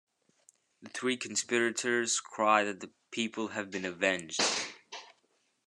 The three conspirators cry that the people have been avenged.